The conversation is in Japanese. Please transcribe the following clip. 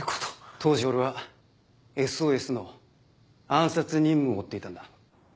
当時俺は「ＳＯＳ」の暗殺任務を負っていたんだ。